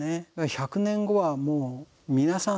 １００年後はもう皆さん